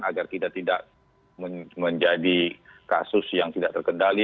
agar kita tidak menjadi kasus yang tidak terkendali